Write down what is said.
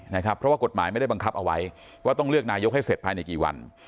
เพราะว่ากฎหมายไม่ได้บังคับเอาไว้ว่าต้องเลือกนายกให้เสร็จภายในกี่วัน